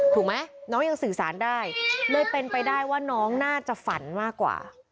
ถูกไหมน้องยังสื่อสารได้เลยเป็นไปได้ว่าน้องน่าจะฝันมากกว่า